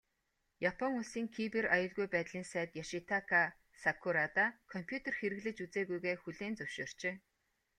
Япон улсын Кибер аюулгүй байдлын сайд Ёшитака Сакурада компьютер хэрэглэж үзээгүйгээ хүлээн зөвшөөрчээ.